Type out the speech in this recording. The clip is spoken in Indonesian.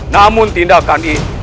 namun tindakan ini